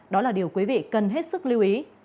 đó là điều quý vị cần hết sức lưu ý